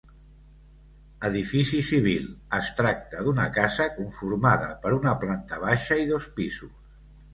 Edifici civil, es tracta d'una casa conformada per una planta baixa i dos pisos.